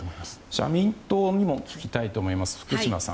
社民党にも聞きたいと思います。